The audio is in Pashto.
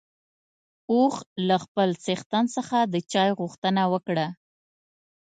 اوښ له خپل څښتن څخه د چای غوښتنه وکړه.